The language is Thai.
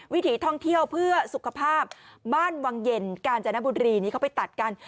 วิถีท่องเที่ยวเพื่อสุขภาพบ้านวังเย็นกาญจนบุรีนี่เขาไปตัดกัน